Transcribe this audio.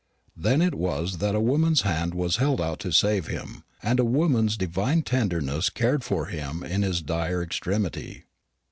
Then it was that a woman's hand was held out to save him, and a woman's divine tenderness cared for him in his dire extremity.